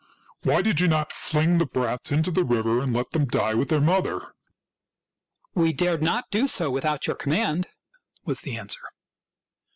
Why did you not fling the brats into the river and let them die with their mother ?"" We dared not do so without your command," was the answer.